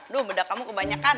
duh beda kamu kebanyakan